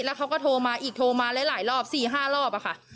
แล้วเขาก็โทรมาอีกโทรมาหลายรอบ๔๕รอบอะค่ะ